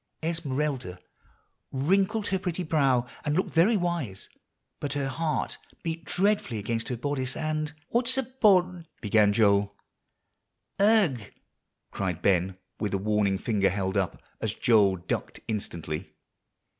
"Esmeralda wrinkled her pretty brow, and looked very wise; but her heart beat dreadfully against her bodice and" "What's a bod" began Joel. "Ugh!" cried Ben with a warning finger held up, as Joel ducked instantly.